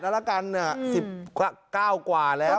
แล้วละกัน๑๙กว่าแล้ว